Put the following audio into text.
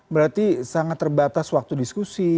berarti sangat terbatas waktu diskusi